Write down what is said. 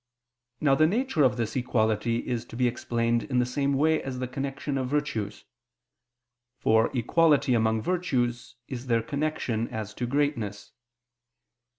Now the nature of this equality is to be explained in the same way as the connection of virtues; for equality among virtues is their connection as to greatness.